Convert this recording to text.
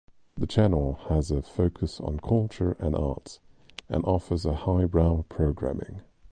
The channel has a focus on culture and arts and offers highbrow programming.